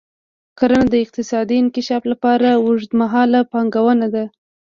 کرنه د اقتصادي انکشاف لپاره اوږدمهاله پانګونه ده.